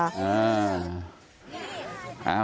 อ้าว